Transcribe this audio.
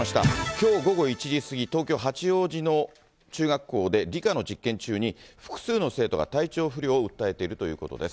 きょう午後１時過ぎ、東京・八王子の中学校で、理科の実験中に複数の生徒が体調不良を訴えているということです。